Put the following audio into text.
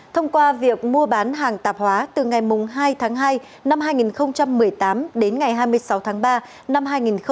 thông qua việc mua bán hàng tạp hóa từ ngày hai tháng hai năm hai nghìn một mươi tám đến ngày hai mươi sáu tháng ba năm hai nghìn một mươi chín